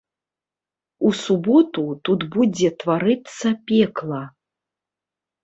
У суботу тут будзе тварыцца пекла.